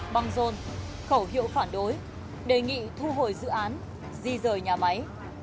băng rôn khẩu hiệu phản đối đề nghị thu hồi dự án di rời nhà máy